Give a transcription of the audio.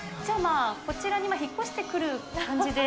こちらに引っ越してくる感じ